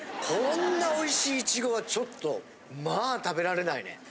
こんなおいしいいちごはちょっとまあ食べられないね。